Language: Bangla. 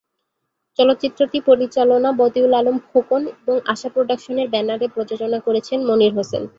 চলচ্চিত্রটি পরিচালনা বদিউল আলম খোকন এবং আশা প্রোডাকশনের ব্যানারে প্রযোজনা করেছেন মনির হোসেন।